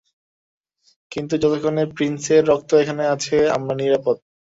কিন্তু যতক্ষণ প্রিন্সের রক্ত এখানে আছে, আমরা নিরাপদ।